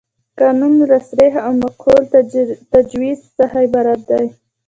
قانون له صریح او معقول تجویز څخه عبارت دی.